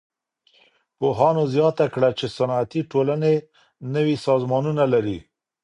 پوهانو زياته کړه چي صنعتي ټولني نوي سازمانونه لري.